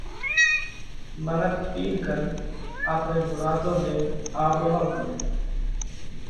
منک پِير ڪنَ آپري مُراڌون لينَ آوَووا مڏيا۔